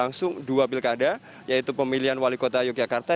langsung dua pilkada yaitu pemilihan wali kota yogyakarta